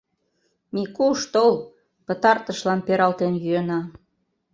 Микуш, тол — пытартышлан пералтен йӱына.